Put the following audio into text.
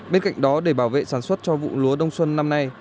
bên cạnh đó để bảo vệ sản xuất cho vụ lúa đông xuân năm nay